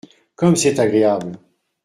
Comme c’est agréable !